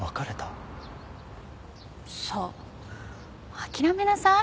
諦めなさい。